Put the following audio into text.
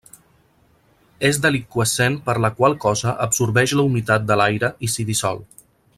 És deliqüescent per la qual cosa absorbeix la humitat de l'aire i s'hi dissol.